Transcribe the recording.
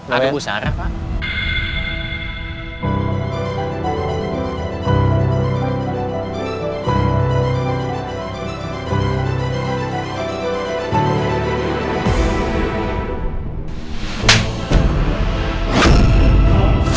aduh usah arah pak